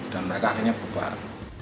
dan mereka akhirnya bebar